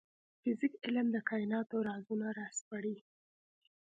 فزیک علم د کایناتو رازونه راسپړي